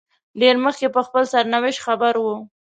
ډېر مخکې په خپل سرنوشت خبر وو.